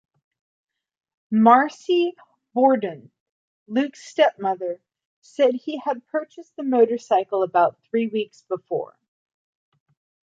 Maryse Bourdon, Luc's stepmother, said he had purchased the motorcycle about three weeks before.